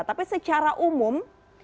tapi secara umum